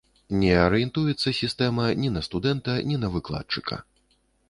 Не арыентуецца сістэма ні на студэнта, ні на выкладчыка.